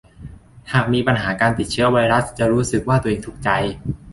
หากมีปัญหาการติดเชื้อไวรัสจะรู้สึกว่าตัวเองทุกข์ใจ